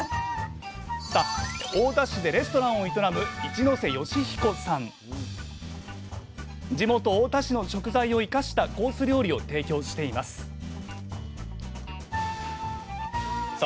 太田市でレストランを営む地元太田市の食材を生かしたコース料理を提供していますさあ